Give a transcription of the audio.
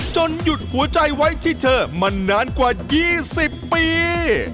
หยุดหัวใจไว้ที่เธอมานานกว่า๒๐ปี